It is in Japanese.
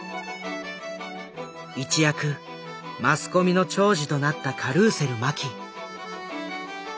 一躍マスコミの寵児となったカルーセル麻紀。